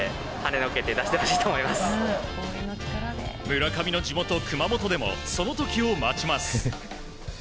村上の地元・熊本でもその時を待ちます。